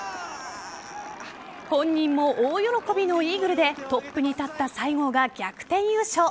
本人も大喜びのイーグルでトップに立った西郷が逆転優勝。